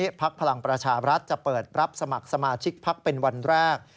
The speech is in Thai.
ที่ภักดิ์พลังประชาบรัฐจะเปิดรับสมัครสมาชิกภักดิ์เป็นวันแรก